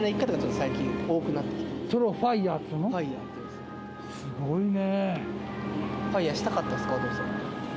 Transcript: すごいね。